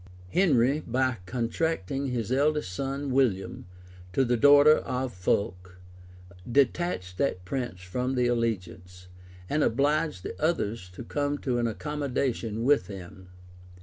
Henry, by contracting his eldest son, William, to the daughter of Fulk, detached that prince from the alliance, and obliged the others to come to an accommodation with him.